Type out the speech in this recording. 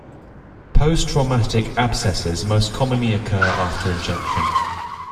Post-traumatic abscesses most commonly occur after injection.